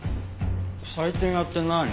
採点屋って何？